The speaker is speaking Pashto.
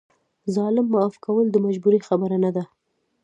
ظالم معاف کول د مجبورۍ خبره نه ده.